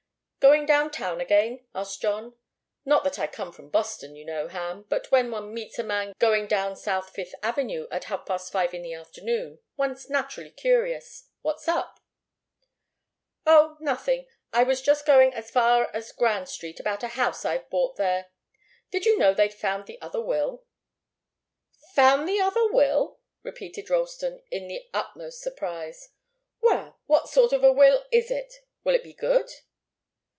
"Going down town again?" asked John. "Not that I come from Boston, you know, Ham but when one meets a man going down South Fifth Avenue at half past five in the afternoon, one's naturally curious. What's up?" "Oh nothing. I was just going as far as Grand Street about a house I've bought there. Did you know they'd found the other will?" "Found the other will?" repeated Ralston, in the utmost surprise. "Well what sort of a will is it? Will it be good?"